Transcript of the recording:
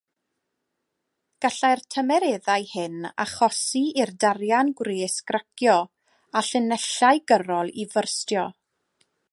Gallai'r tymereddau hyn achosi i'r darian gwres gracio a llinellau gyrrol i fyrstio.